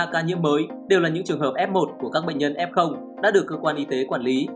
ba ca nhiễm mới đều là những trường hợp f một của các bệnh nhân f đã được cơ quan y tế quản lý